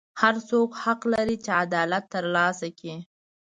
هر څوک حق لري چې عدالت ترلاسه کړي.